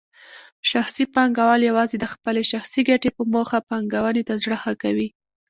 شخصي پانګوال یوازې د خپلې شخصي ګټې په موخه پانګونې ته زړه ښه کوي.